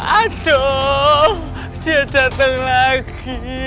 aduh dia datang lagi